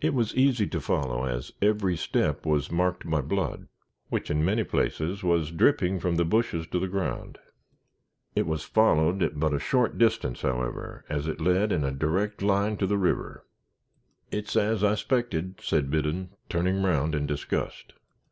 It was easy to follow, as every step was marked by blood, which, in many places, was dripping from the bushes to the ground. It was followed but a short distance, however, as it led in a direct line to the river. "It's as I s'pected," said Biddon, turning round in disgust.